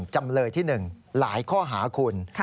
จำเลยที่๑หลายข้อหาคุณ